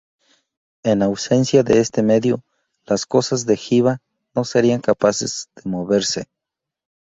En ausencia de este medio, las cosas de jiva no serían capaces de moverse.